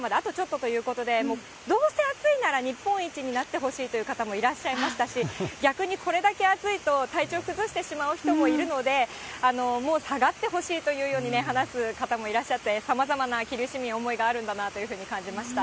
ただ、日本一の暑さまであとちょっとということで、どうせ暑いなら、日本一になってほしいという方もいらっしゃいましたし、逆にこれだけ暑いと、体調崩してしまう人もいるので、もう下がってほしいというようにね、話す方もいらっしゃって、さまざまな桐生市民、思いがあるんだなと感じました。